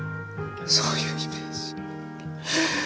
そういうイメージ。